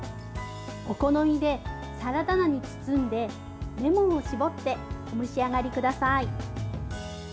お好みでサラダ菜に包んでレモンを絞ってお召し上がりください。